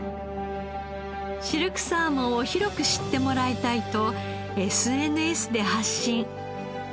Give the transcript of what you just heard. シルクサーモンを広く知ってもらいたいとＳＮＳで発信。